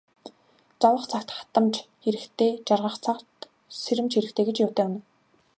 Зовох цагт хатамж хэрэгтэй, жаргах цагт сэрэмж хэрэгтэй гэж юутай үнэн.